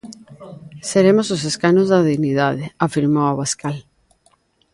Seremos os escanos da dignidade, afirmou Abascal.